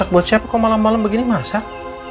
apa buat siapa kau malam malam begini masak